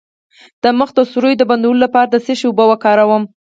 د مخ د سوریو د بندولو لپاره د څه شي اوبه وکاروم؟